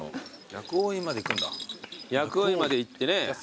薬王院まで行ってね。